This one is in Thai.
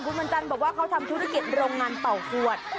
คุณวันจันทร์บอกว่าเขาทำธุรกิจโรงงานเป่าขวด